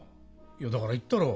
いやだから言ったろ。